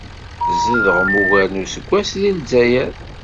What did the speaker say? Tzedɣem ugar n useggas deg Ldzayer.